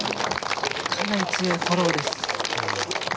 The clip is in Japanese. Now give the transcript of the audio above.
かなり強いフォローです。